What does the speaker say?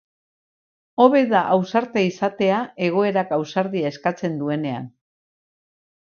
Hobe da ausarta izatea egoerak ausardia eskatzen duenean.